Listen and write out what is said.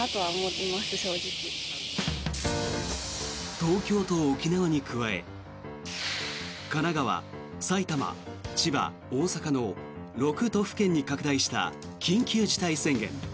東京と沖縄に加え神奈川、埼玉、千葉、大阪の６都府県に拡大した緊急事態宣言。